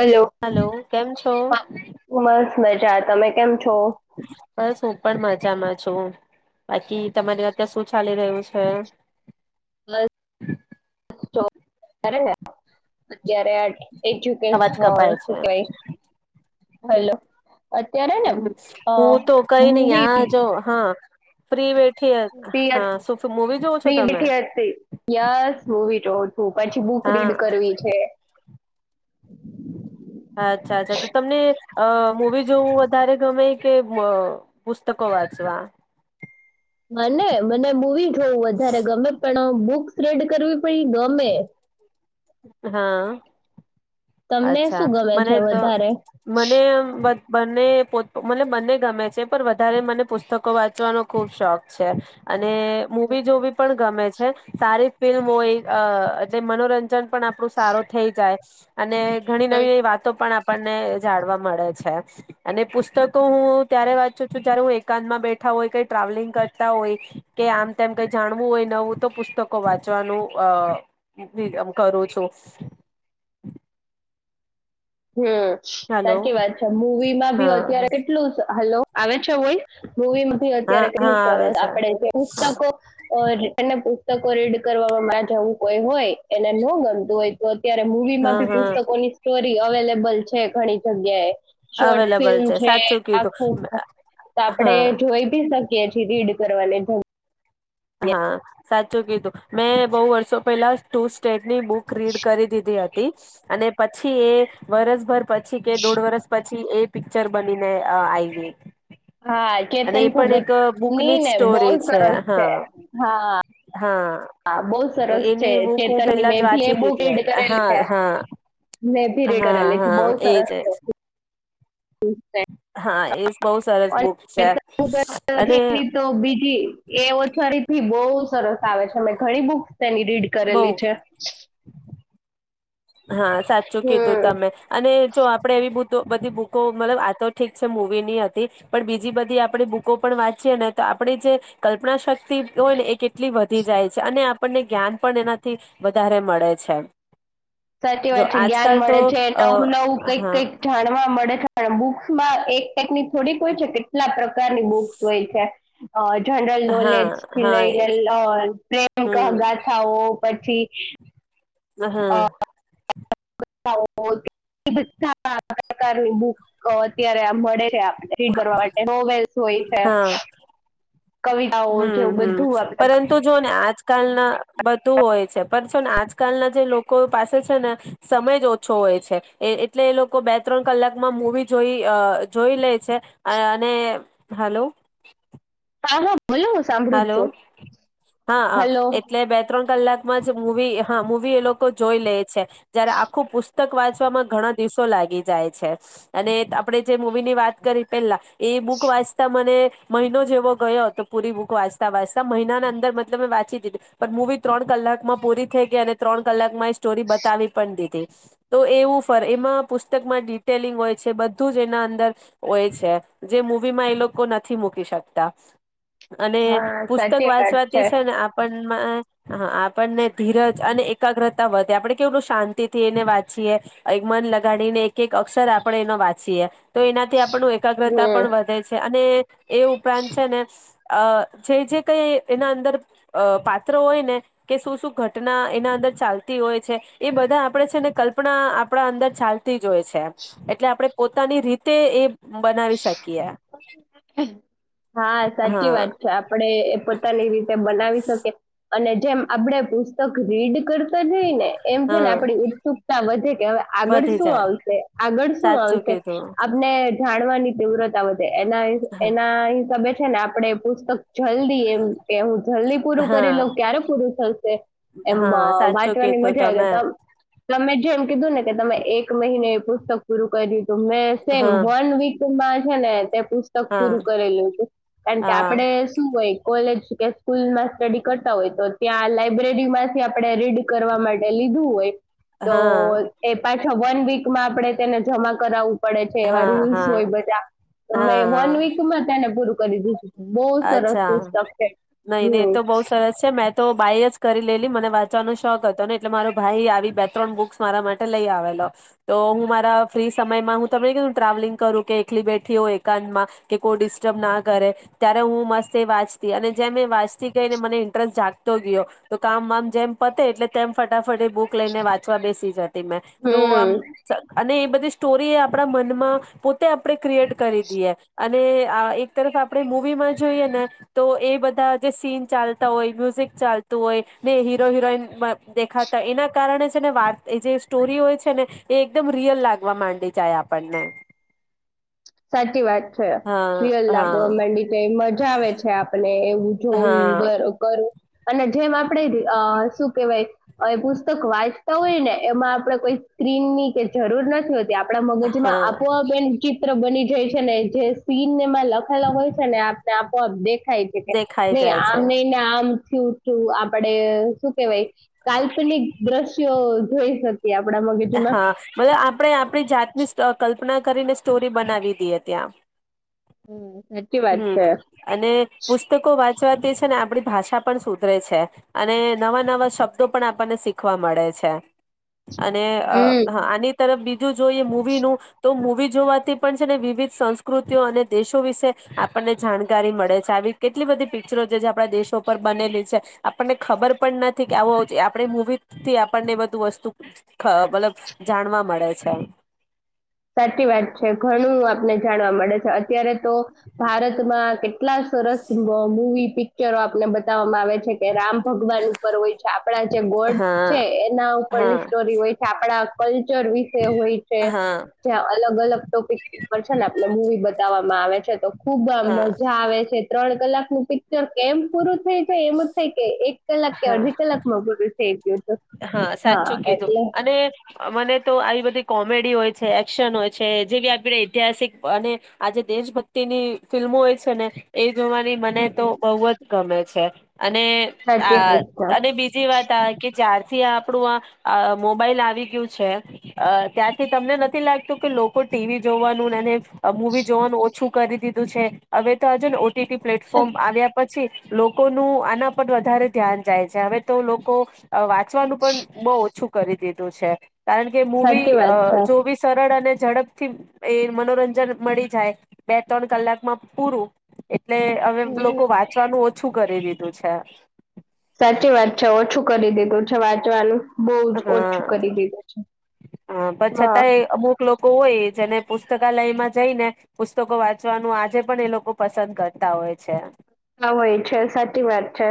Hello કેમ છો ઉમર મજા તમે કેમ છો બસ હું પણ મજામાં છું. બાકી તમારે અત્યારે શું ચાલી રહ્યું છે? [inaudible] અત્યારે આ એજ્યુકેશન અવાજ શું કપાય છે. કહેવાય. હલો! હ, હું તો કઈ નહીિ આ મૂવી જો. હા ફિ બેઠી હા શું મૂવી જોવ છો બેઠી હતી તમે ફ્રી અત્યારે મુવી જોઉં છું, પછી બુક હા રીડ કરું. [inaudible] અચ્છા અચ્છા, તો તમને અ મૂવી જોવું વધારે, ગમે કે પુસ્તકો વાંચવા? મને, મને મૂવી જોવા જોવું વધારે ગમે પણ બુક્સ રીડ કરવી પણ એ ગમે હા. તમને અચ્છા, શું ગમે મને છે તો. વધારે મને બંને મ બંને ગમે છે. પણ વધારે મને પુસ્તકો વાંચવાનો ખુબ શોખ છે. અને અને મૂવી જોવી પણ ગમે છે. સારી ફિલ્મ હો એ એટલે મનોરંજન પણ આપણું સારું થઈ જાય. અને ઘણી મને નવીવી વાતો પણ આપ આપણને જાણવા મળે છે, અને પુસ્તકો હું ત્યારે વાંચું છું જય્યારે હું એકાંતમાં બેઠા હોય, કઈ ટ્રાવેલિંગ કરતા હોય કે આમ તેમ કઈ જાણવું હોય નવું તો પુસ્તકો વાંચવાનું પ્રિફર કરું છું. હમ, હલો સાચી વાત છે. મવીમાં ભી હા હા અત્યારે કેટલું, હલો! આવ છે. વોઇસ. મૂવીમાંથી હા અત્યારે હા કેટલું આવે સરસ છે આપણે પુસ્તકો એ પુસ્તકો રીડ કરવામાં જેવું કોઈ હોય એને ન ગમતું હોય, તો ત્યારે મૂવીમાં હા ભી હા પુસ્તકોની સ્ટોરી અવેલેબલ છે, ઘણી જગ્યાએ. શોર્ટ અવેલેબલ ફિલ્મ છે, સાચું આખું કીધું તો આપડે હા જોઈ બી શકીએ ક્યાંથી રીડ કરવાને જ હા સાચું કીધું મેં બહુ વર્ષો પેલા ટુ સ્ટેટની બુક રીડ કરી દીધી હતી. અને પછી એ વરસભર પછી કે દોઢ વરસ પછી એ પિક્ચર બનીને આઈવી. હા, કેતન ભગત ની બુકની જ ને બોલ સ્ટોરી સરસ છે. હા હા, હા હા બહ તો સરસ છે. એની બુક હું ચેતનની પેલા મે જ ભી એ વાંચી બ રીડ દીધી કરેલી હા છે. હા મે ભી રીડ હા કરેલી છે. હા બો એજ સરસ એજ છે. હા એ બહુ સરસ બુક છે અને તો બીજી એ ઓછડી થી બો સરસ આવે છે મેં ઘણી બુક તેની રીડ બઉ કરેલી છે. હા સાચું કીધું હમ તમે અને જો આપડે એવી બ તો બધી બુકો મતલબ આ તો ઠીક છે મૂવીની હતી પણ બીજી બધી આપણી બુકો પણ વાંચીએ ને તો આપણી જે કલ્પના શક્તિ હોય ને એ કેટલી વધી જાય છે અને આપણને જ્ઞાન પણ એનાથી વધારે મળે છે. સાચી જો વાત છે આજ જ્ઞાન આજકાલ તો મળે છે અ નવું નવું કઈક હા કઈક જાણવા મળે છે. પણ બુક્સમાં એક ટેકની થોડીક હોય છે કેટલા પ્ર કારની બુક્સ હોય છે જનરલ હા નોલેજ થી હા એ લઈને જ પ્રેમ ક હમ ગાથાઓ પછી હ હા. [unintelligible] બધ પ્રકારની બુક અત્યારે મળે [unintelligible] રીડ કરવા માટે હોવેલ્સ જોઈ છે. કવિતાઓ હમ્મ જેવું હમ્મ બધું આપણે પરંતુ જો ને આ જકાલના બધું હોય છે પણ છો ને આજકાલના જે લોકો પાસે છે ને સમય જ ઓછો હોય છે એટલે એ લોકો બે ત્રણ કલાકમાં મૂવી જોઈ અ જોઈ લે છે અને હલો. [unintelligible] સાંભળું જ હલો છું હા હા હલો એટલે બે ત્રણ કલાકમાં જ મવી હા મું વી એ લોકો જોઈ લે છે. જયારે આખું પુસ્ત તક વાંચવામાં ઘણા દિવસો લાગી જાય છે અને આપણે જે મૂવી ની વાત કરી પેલા એ બુક વાંચતા મને મહિનો જેવો ગયો તો પૂરી બુક વાંચતા વાંતા મહિનાના અંદર મતલબ મેં વાચી દીધી પણ મૂવી ત્રણ કલાકમાં પૂરી થઈ ગઈ અને ત્રણ કલાકમાં સ્ટોરી બતાવી પણ દીધી. તો એવું ફર એમાં પુસ્તકમાં ડિટેલિંગ હોય છે બધું જ એના અંદર હોય છે જે મૂવીમાં એ લોકો નથી મૂકી શકતા. અને હા પુસ્તક સાચી વાત વાંચવાતી છે ને આપણ મા હા આપણને ધીરજ અને એકાગ્રતા વધે આપડણે કેવલું શાંતિ થી એને વાંચીએ એક મન લગાડીને એક એક અક્ષર આપણે એનો વાંચીએ. તો એનાથી આપણું એકાગ્રતા હમ પણ વધે છે. અને એ ઉપરાંત છે ને અ જે જે કઈ એના અંદર પાત્રો હોય ને કે શું શું ઘટના એના અંદર ચાલતી હોય છે એ બધા આપણેે છે ને કલ્પના આપણા અંદર ચાલતી જ હોય છે એમ એટલે આપણે પોતાની રીતે એ બનાવી શકીએ. ચી હા વાત છે આપડણે એ પોતાની રીતે બનાવી શકીએ. અને જેમ આપડે પુસ્તક રીડ કર તા જય ને એમ છે ને હા આપ ઉત્સુકતા વધે કે હવે આગળ વધી શું જાય આવશે, આગળ શું સાચું આવશે, કીધું આપણે [unintelligible] ની તીવ્રતા વધે, એનાય-એનાય ગમે છે ને આપણે પુસ્તક જલ્દી એમ કે હું જલ્દી પૂરું હા કરી લઉં, ક્યારે પૂરું થશે એમ વ હા સાચું વાંચવાની કીધું મજા આવે તમે જાય, તબ તમે જેમ કીધું ને કે તમે એક મહિને એ પુસ્તક પૂરું કરી તો મે સેમ હા વન વીક માં છે ને તે પુસ્તક હા પૂરું કરેલું તું, કારણ કે હા આપડે શું હોય કોલેજ કે સ્કૂલમાં સ્ટડી કરતા હોય તો ત્યાં લાઈબ્રેરી માંથી આપણે રીડ કરવા માટે લીધું હોય. તો હા એ પાછ અહ વન વીક માં આપણે તેને જમા કરાવવું પડે છે, એવા હા હા રૂલ્સ જોય હા બધા, મે વન હા વીક માં તેને પૂરું કરી દીધું તું, બહું સરસ અચ્છા પુસ્તક છે. નઈ નહી હમ્મ. તો બહુ સરસ તને શોખ હતો ને એટલે મારો ભાઈ આવી બે ત્રણ બુક્સ મારા માટે લઈ આવેલો, તો હું મારા ફ્રી સમયમાં તમે કેઉ ટ્રાવેલિંગ કરું કે એકલી બેઠી હોય એકાંતમાં, કે કોઈ ડિસ્ટર્બ ના કરે ત્યારે હું મસ્ત એ વાંચતી, અને જેમ એ વાંચતી કેઈને મને ઇન્ટરસ્ટ જાગતો ગયો, તો કામ વામ જેમ પતે એટલે તેમ ફટાફટ એ બુક લઈને વાંચવા બેસી જત તી મે તો આમ હમ સ અને એ બધી સ્ટોરી એ આ આપણા મનમાં પોતે આપણે ક્રિએટ કરી દઈએ, અને એક તરફ આપણે મૂવીમાં જોઈએ ને તો એ બધા જે સીન ચાલતા હોય, મ્યુઝિક ચાલતું હોય, ને હીરો હિરોઈન માં દેખાતા હોય એના કારણે છે ને વાત એ જે સ્ટોરી હોય છે ને, એ એકદમ રિયલ લાગવા માંડી જાય આપ પણને. સાચી વાત છે. રિયલ હા લાગવા માંડી કે તો મજા આવે છે આપને એવું જો હા [unintelligible] અને જેમ આપણે અહ શું કેવાય અહ પુસ્તક વાંચતા હોય ને એમાં આપણેે કોઈ સ્ક્રીન ની કે જરૂર નથી હોત તી આપણા મગજ માં હા આપોઆપ [unintelligible] બની જાય છે, ને જે સીન એમાં લખેલા હોય છે ને આપને આપોઆપ દેખ ખાય છે કે દેખાઈ નહી જાય છે આમ નઈને આમથી થયું. શું આપડે શું કેવાય? કાલ્પનિક દ્રશ્યો અહ જોઈ શક હા મતલબ આપણે આપણી જાતની સ કલ્ કલ્પના કરીને સ્ટોરી બનાવી દીએ ત્યાં. હમ્મ. હમ્મ અને પુસ્તકો વાંચવા તે સે ને આપણી ભાષા પણ સુધરે છે, અને નવા-નવા શબ્દો પણ આપણને શીખવા મળે છે. અને અહ હમ હા આની તરફ બી જું જોઈએ મુવી નું તો મુવી જોવાતી પણ છે ને વિવિધ સંસ્કૃતિઓ અને દેશો વિશે આપણને જાણકારી મળે છે આવી કેટલી બધી પિક્ચરો જે આપણા દેશો પર બનેલી છે આપણને ખબર પણ નથી કે આવો આપણે મૂવી થી આપણને બધું વસ્તુ એ મતલબ જાણવા મળે છે. સાચી વાત છે ઘણું આપને જાણવા મળે છે અત્યારે તો ભારતમાં કેટલા સરસ મ મૂવી પિક્ચરો આપને બતાવવામાં આવે છે. કે રામ ભગવાન ઉપર હોય છે આપડા જે ગોડ હા છે એના ઉપરની હા સ્ટોરી હોય છે આપડા કલ્ચર વિશે હોય છે. હા જ્યાં અલગ અલગ ટોપિક ઉપર છે ને આપને મૂવી બતાવવામાં આવે છે તો ખુબ આ હા મજા આવે છે ત્ર તણ કલાકનુ પિ કચર કેમ પૂરું થઈ જાય એમ જ થાય કે એક કલાક કે હા અડધી કલાકમાં પૂરું થઈ ગયું તો હા સાચું કીધું અને મને તો આવી બધી કો કોમેડી હોય છે એક્શન હોય છે જેવી આપણે ઐતિહાસિક અને આજે દેશભક્તિની ફિલ્મો હોય છે ને એ જોવાની મને તો હમ બોવ જ ગમે છે. અને સાચી વાત આ અને છે બીજી વાત આ કે ચાર થી આપણું આ આ મોબાઈલ આવી ગયું છે અ ત્યાંથી તમને નથી લાગતું કે લોકો ટીવી જોવાનું અને મુવી જોવાનું ઓછું કરી દીધું છે હવે તો આજો ને ટીટી પ્લેટફોર્મ આવ્યા પછી લોકોનું આના પર વધારે ધ્યાન જાય છે હવે તો લોકો અ વા ચવાનું પણ બોવ ઓછું કરી દીધું છે. કારણ કે મૂવી સાચી અ વાત છે જોવી સરળ અને ઝડપ થી એ મનોરંજન મળી જાય બે ત્રણ કલાક માં પૂરું એટલે અવે હમ લોકો વાંચવાનું ઓ છું કરી દીધું છે. સાચી વાત છે ઓછું કરી દીધું છે વાંચવાનું બહુ જ ઓછું હા કરી દીધું છે. હા હા પછતાંય અમુક લો કો હોય જ અને પુસ્તકાલયમાં જઈને પુસ્તકો વાંચવાનું આજે પણ એ લોકો પસંદ કરતા હોય છે. હોય છે સાચી વાત છે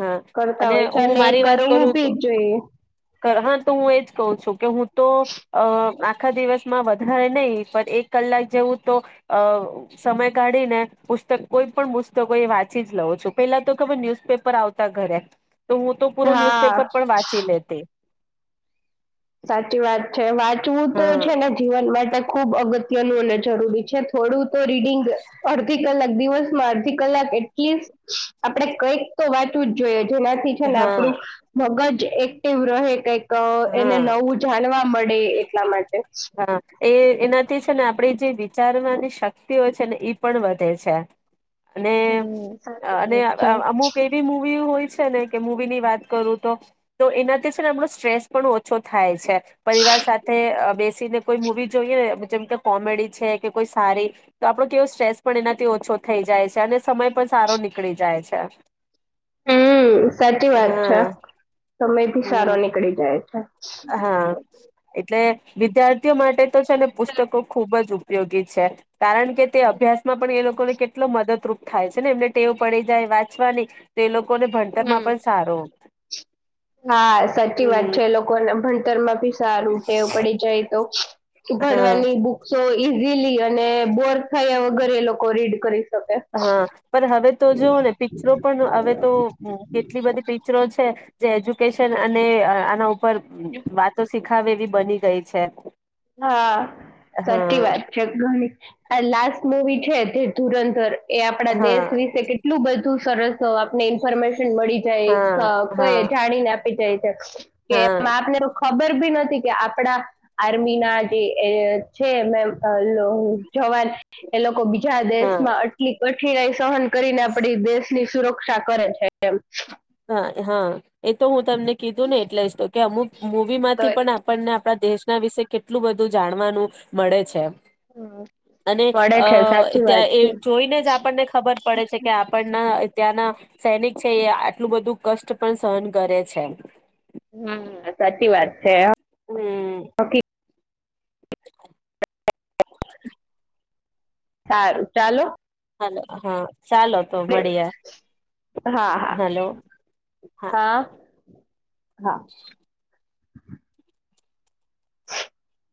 હા કરતા હોય છે હું અને મારી વાત કરવું કરું બી જોઈએ. હા તો હું એજ કહું છું કે હું તો અ આખા દિવસમાં વધારે નહીં પણ એક કલાક જેવું તો અ સમય કાઢીને પુસ્તક કોઈ પણ પુસ્તકો એ વાંચી જ લઉં છું પેલા તો ખબર ન્યુઝપેપર આવતા ઘરે તો હું તો પુરો હા ન્યૂઝપેપર પણ વાંચી લેતી સાચી વાત છે વા ચું તો હા છે ને જીવન માટે ખૂબ અગ ગતયનુ અને જરૂરી છે થોડું તો રીડિંગ અદધી કલાક દિવસમાં અધી કલાક એટલીસ્ટ આપડે કઈક તો વાચવું જ જોઈએ જેનાથી છે ને હા આપણું મગજ એકટીવ રહે એક એને હા નવું જાણવા મળે એટલા માટે. હા વિચાર ની શક્તિઓ છે ને ઈ પણ વધે છે. અને હમ સાચી અને વાત છે. અમુક એવી મુ હોય છે ને કે મવી ની વાત કરું તો એનાથી છે ને હમણા સ્ટ્રેસ પણ ઓછો થાય છે. પરિવાર સાથે બે કોઈ મુવી જોઈએને જેમ કે કોમેડી છે કે કોઈ સારી તો આપણો કેવો સ્ટ્રેસ પણ એનાથી ઓછો થઈ જાય છે અને સમય પણ સારો નીકળી જાય છે. હમ સાચી વાત છે હા સમય થી સારો હમ નીકળી જાય છે. હા એટલે વિદ્યાર્થીઓ માટે છે ને પુસ્તકો ખુબ જ ઉપયોગી છે કારણ કે તે અભ્યાસ માં પણ એ લોકોને કેટલો મદદરૂપ થાય છે ને એમને ટેવ પડી જાય વાંચવાની તો એ લોકો લોકોને ભણતર હમ માં પણ સારો હા સાચી વાત હમ છે એ લોકોને ભણતર મા સારુંટેવું પડી જાય તો હા ભણવાની બુ [unintelligible] અને બોર થાય એ ઘરે એ લોકો રીડ કરી શકે હા પણ હવે તો જોવઓ ને પિક્ચરો પણ હવે તો કેટલી બધી પિક્ચરો છે. જે એજ્યુકેશન અને આના પર વાતો સીખ દખા એવી બની ગઈ છે. હા સાચી હા વાત છે ઘણી લ મુવી છે તે ધુરંધર એ આપણા હા દેશ વિશે કેટલું બધું તું સરસ તો આપને ઇન્ફોર્મેશન મળી હા જાય હા કોઈ જાણીને પઈ જાય કે હા આપને રો ખબર ભી નથી કે આપડા આર્મી ના જે એ છે અમે [unintelligible] જવાન એ લોકો બીજા દેશ હા માં આટલી કઠીના સહન કરીને આપડી દેશની સુરક્ષા કરે છે એમ. હા હા એ તો હું તમને કીધું ને એટલે જ તો કે અમુક મૂવી તો માંથી પણ આપણને આપણા દેશના વિશે કેટલું બધું જાણવાનું મળે છે. હમ, અને મળે છે અ સાચી ત્યાં વાત એ છે જોઈને જ આપણને ખબર પડે છે કે આપણના ત્યાંના સૈનિક છે એ એટલું બધું કષ્ટ પણ સહન કરે છે. હમ્મ સાચી વાત છે હ હમ્મ [inaudible] સારું ચાલો હાલો હા ચાલો તો મળીએ હા હા હલો હા હા [inaudible]